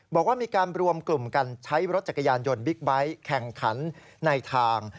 บอกว่ามีการรวมกลุ่มกันใช้รถจักรยานยนต์บิ๊กไบท์แข่งขันในทาง